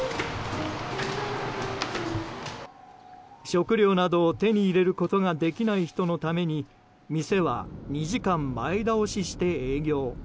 食料などを手に入れることができない人のために店は２時間前倒しして営業。